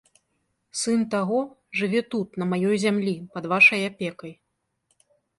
Сын таго жыве тут, на маёй зямлі, пад вашай апекай.